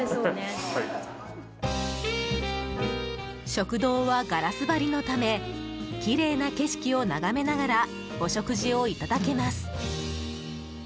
食堂はガラス張りのためきれいな景色を眺めながらお食事をいただけます。